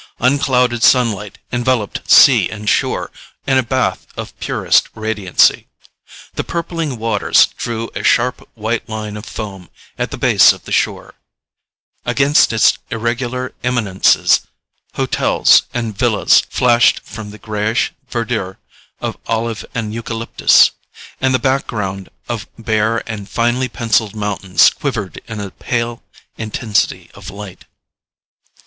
Unclouded sunlight enveloped sea and shore in a bath of purest radiancy. The purpling waters drew a sharp white line of foam at the base of the shore; against its irregular eminences, hotels and villas flashed from the greyish verdure of olive and eucalyptus; and the background of bare and finely pencilled mountains quivered in a pale intensity of light.